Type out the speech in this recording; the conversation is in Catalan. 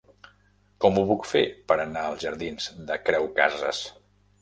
Com ho puc fer per anar als jardins de Creu Casas?